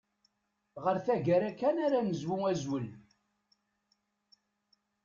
Ɣer taggara kan ara negzu azwel.